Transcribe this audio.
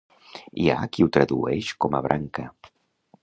Hi ha qui ho traduïx com a branca.